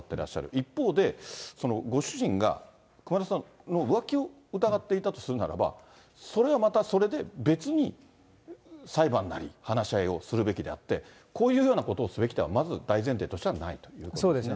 一方で、そのご主人が、熊田さんの浮気を疑っていたとするならば、それはまたそれで、別に裁判なり、話し合いをするべきであって、こういうようなことをすべきでは、まず大前提としてないということですよね。